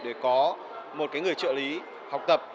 để có một người trợ lý học tập